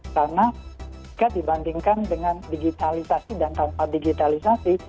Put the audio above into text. karena jika dibandingkan dengan digitalisasi dan tanpa digitalisasi